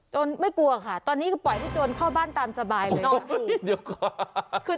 ไม่กลัวค่ะตอนนี้ก็ปล่อยให้โจรเข้าบ้านตามสบายเลย